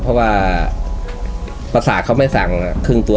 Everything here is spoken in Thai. เพราะว่าประสาทเขาไม่สั่งครึ่งตัว